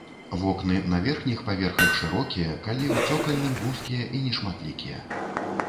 Вокны на верхніх паверхах шырокія, калі ў цокальным вузкія і нешматлікія.